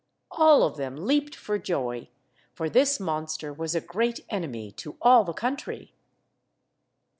All of them leaped for joy, for this monster was a great enemy to all the country.